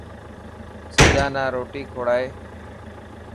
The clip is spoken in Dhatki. سجا نا روٽي ڪوڙائي.